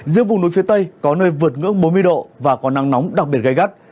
giữa vùng núi phía tây có nơi vượt ngưỡng bốn mươi độ và có nắng nóng đặc biệt gai gắt